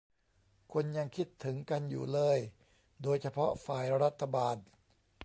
คนยังคิดถึงกันอยู่เลยโดยเฉพาะฝ่ายรัฐบาล